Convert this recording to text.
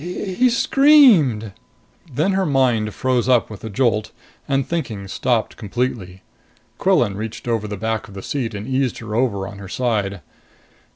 He s screamed." Then her mind froze up with a jolt, and thinking stopped completely. Quillan reached over the back of the seat and eased her over on her side.